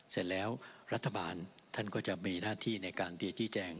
เสร็จแล้วรัฐบาลท่านก็จะมีหน้าที่ในการที่จะชี้แจง